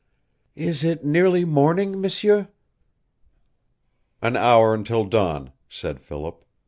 "Is it nearly morning, M'sieur?" "An hour until dawn," said Philip.